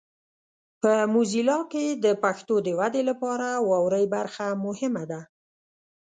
په موزیلا کې د پښتو د ودې لپاره واورئ برخه مهمه ده.